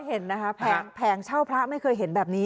เห็นนะคะแผงเช่าพระไม่เคยเห็นแบบนี้